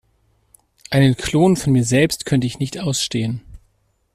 Einen Klon von mir selbst könnte ich nicht ausstehen.